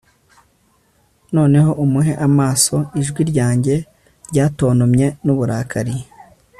noneho umuhe amaso! ijwi ryanjye ryatontomye n'uburakari